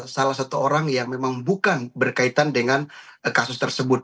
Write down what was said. salah satu orang yang memang bukan berkaitan dengan kasus tersebut